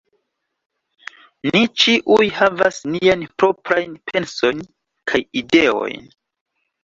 Ni ĉiuj havas niajn proprajn pensojn kaj ideojn.